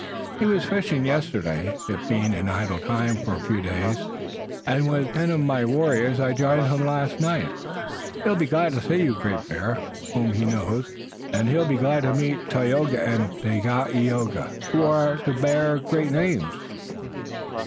He was fishing yesterday, it being an idle time for a few days, and with ten of my warriors I joined him last night. He will be glad to see you, Great Bear, whom he knows. And he will be glad to meet Tayoga and Dagaeoga who are to bear great names."